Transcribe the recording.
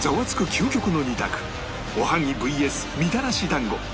究極の２択おはぎ ＶＳ みたらし団子